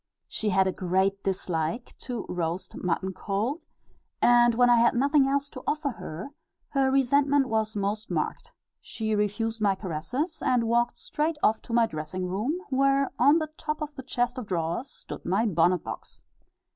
She had a great dislike to roast mutton cold, and when I had nothing else to offer her, her resentment was most marked: she refused my caresses, and walked straight off to my dressing room, where on the top of the chest of drawers stood my bonnet box.